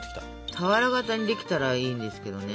俵型にできたらいいんですけどね。